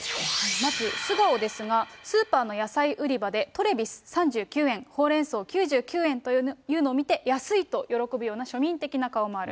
まず素顔ですが、スーパーの野菜売り場でトレビス３９円、ほうれん草９９円というのを見て、安いと喜ぶような庶民的な顔もある。